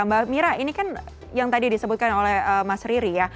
mbak mira ini kan yang tadi disebutkan oleh mas riri ya